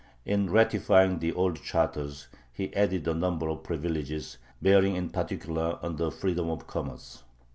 In ratifying the old charters, he added a number of privileges, bearing in particular on the freedom of commerce.